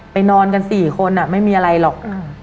ไปนอนกันสี่คนอ่ะไม่มีอะไรหรอก